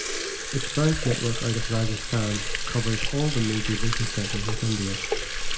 Its branch network out of Rajasthan covers all the major business centers of India.